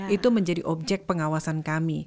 itu menjadi objek pengawasan kami